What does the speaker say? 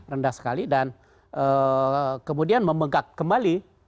rendah sekali dan kemudian memegak kembali